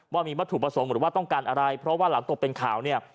ว่ามีวัตถุประสงค์หรือว่าต้องการอะไรเพราะว่าหลังตกเป็นข่าวเนี่ย